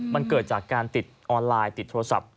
มันเกิดจากการติดออนไลน์ติดโทรศัพท์